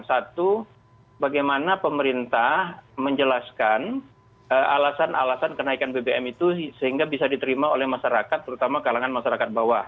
satu bagaimana pemerintah menjelaskan alasan alasan kenaikan bbm itu sehingga bisa diterima oleh masyarakat terutama kalangan masyarakat bawah